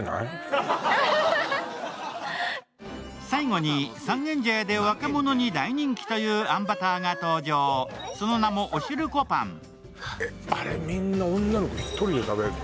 最後に、三軒茶屋で若者に大人気というあんバターが登場、その名もおしるこパン。